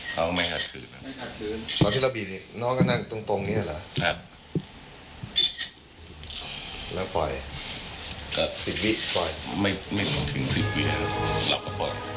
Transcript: กลับมาเล่า